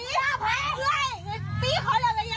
อุ้ยอุ้ยถอยไอ้พ่อย